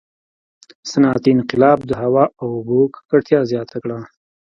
• صنعتي انقلاب د هوا او اوبو ککړتیا زیاته کړه.